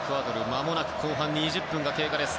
まもなく後半２０分が経過です。